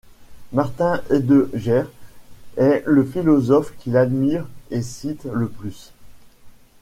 Martin Heidegger est le philosophe qu'il admire et cite le plus.